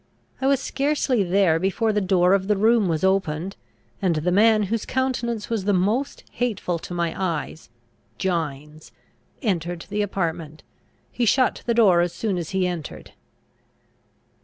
I was scarcely there before the door of the room was opened, and the man whose countenance was the most hateful to my eyes, Gines, entered the apartment. He shut the door as soon as he entered.